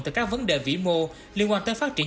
từ các vấn đề vĩ mô liên quan tới phát triển